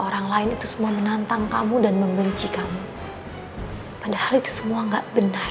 orang lain itu semua menantang kamu dan membenci kamu padahal itu semua enggak benda